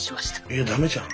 いや駄目じゃん。